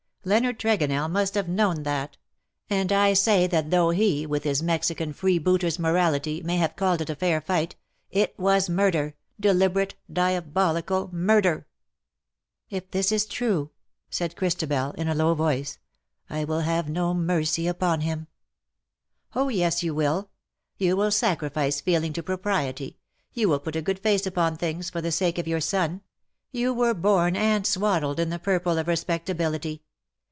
Leonard Tregonell must have known that. And I say that though he, with his Mexican freebooter's morality, may have called it a fair fight, it was murder, deliberate, diabolical murder." ^' If this is true,'' said Christabel in a low voice, " I will have no mercy upon him.'' ^' Oh, yes, you will. You will sacrifice feeling to propriety, you will put a good face upon things, for the sake of your son. You were born and swaddled in the purple of respectability.